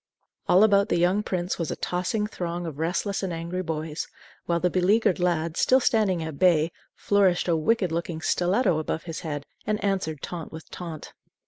All about the young prince was a tossing throng of restless and angry boys, while the beleaguered lad, still standing at bay, flourished a wicked looking stiletto above his head and answered taunt with taunt.